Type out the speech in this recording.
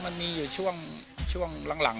วันนี้ก็จะเป็นสวัสดีครับ